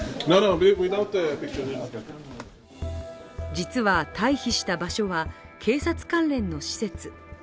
実は退避した場所は警察関連の施設。